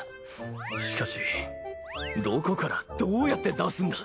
しかしどこからどうやって出すんだ？